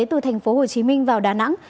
từ tp hcm vào đà nẵng